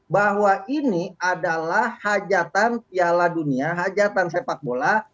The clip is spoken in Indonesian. bahwa ini adalah hajatan piala dunia hajatan sepak bola